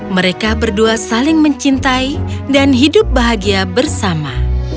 mereka berdua saling mencintai dan hidup bahagia bersama